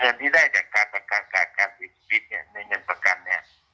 ที่ได้จากการประกันการเสียชีวิตเนี่ยในเงินประกันเนี่ย